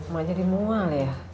mak jadi mual ya